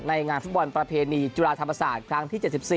งานฟุตบอลประเพณีจุฬาธรรมศาสตร์ครั้งที่๗๔